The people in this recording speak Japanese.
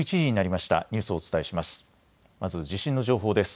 まず地震の情報です。